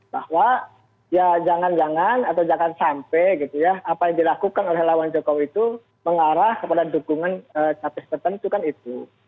bahwa ya jangan jangan atau jangan sampai gitu ya apa yang dilakukan oleh lawan jokowi itu mengarah kepada dukungan capres tertentu kan itu